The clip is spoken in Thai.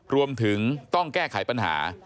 รวมถึงต้องแก้ไขปัญหา